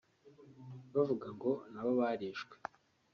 bavuga ngo nabo barishwe